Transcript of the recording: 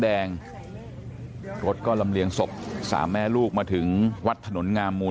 แดงรถก็ลำเลียงศพสามแม่ลูกมาถึงวัดถนนงามมูล